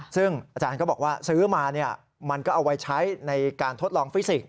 ซึ่งอาจารย์ก็บอกว่าซื้อมามันก็เอาไว้ใช้ในการทดลองฟิสิกส